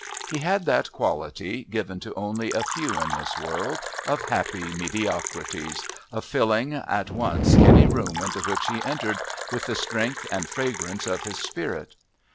He had that quality, given to only a few in this world of happy mediocrities, of filling, at once, any room into which he entered with the strength and fragrance of his spirit.